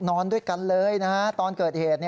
นอนด้วยกันเลยตอนเกิดเหตุ